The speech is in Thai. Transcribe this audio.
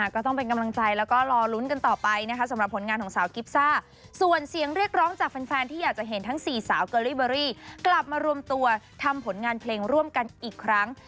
ก็ต้องเป็นกำลังใจแล้วก็รอลุ้นกันต่อไปนะคะสำหรับผลงานของสาวกิฟซ่าส่วนเสียงเรียกร้องจากแฟนที่อยากจะเห็นทั้งสี่สาวเกอรี่เบอรี่กลับมารวมตัวทำผลงานเพลงร่วมกันอีกครั้ง